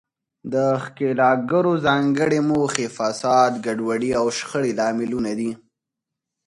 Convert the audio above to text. د ښکیلاکګرو ځانګړې موخې، فساد، ګډوډي او شخړې لاملونه دي.